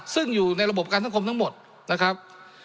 ซึ่งอยู่ในระบบการสังคมทั้งหมดนะครับ